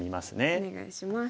お願いします。